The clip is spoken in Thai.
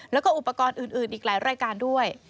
แล้วก็อุปกรณ์อื่นอีกหลายรายการด้วย